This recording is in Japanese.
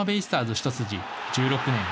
一筋１６年。